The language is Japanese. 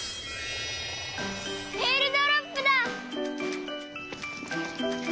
えーるドロップだ！